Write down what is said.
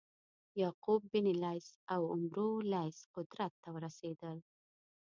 یعقوب بن لیث او عمرو لیث قدرت ته ورسېدل.